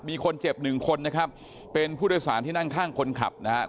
มีคนเจ็บหนึ่งคนนะครับเป็นผู้โดยสารที่นั่งข้างคนขับนะครับ